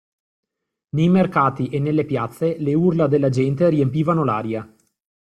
Nei mercati e nelle piazze le urla della gente riempivano l'aria.